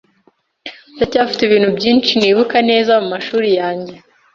Ndacyafite ibintu byinshi nibuka neza mumashuri yanjye.